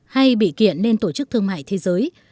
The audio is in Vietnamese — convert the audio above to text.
hay bị kiện lên tổ chức thương mại thế giới